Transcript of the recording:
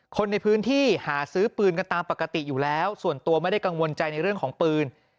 คนในพื้นที่หาซื้อปืนกันตามปกติอยู่แล้วส่วนตัวไม่ได้กังวลใจในเรื่องของปืน